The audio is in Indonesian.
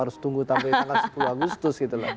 harus tunggu sampai tanggal sepuluh agustus